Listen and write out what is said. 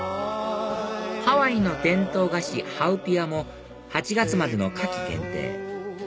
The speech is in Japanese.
ハワイの伝統菓子ハウピアも８月までの夏季限定